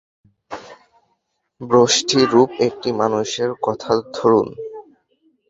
ব্যষ্টি-রূপ একটি মানুষের কথা ধরুন।